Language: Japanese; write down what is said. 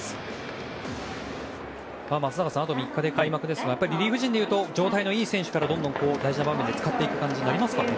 松坂さん、あと３日で開幕ですが状態のいい選手からどんどん大事な場面で使っていく感じになりますかね。